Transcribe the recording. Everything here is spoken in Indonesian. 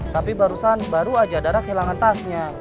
tapi barusan baru aja dara kehilangan tasnya